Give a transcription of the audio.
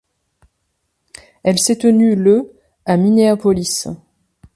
Elle s'est tenue le à Minneapolis.